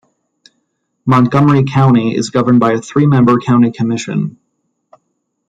Montgomery County is governed by a three-member county commission.